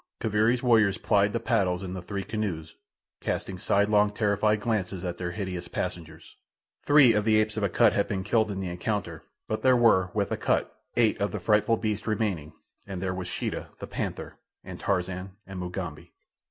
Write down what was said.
Kaviri's warriors plied the paddles in the three canoes, casting sidelong, terrified glances at their hideous passengers. Three of the apes of Akut had been killed in the encounter, but there were, with Akut, eight of the frightful beasts remaining, and there was Sheeta, the panther, and Tarzan and Mugambi.